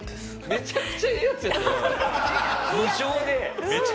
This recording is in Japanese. めちゃくちゃええヤツや。